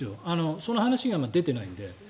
その話が今、出ていないので。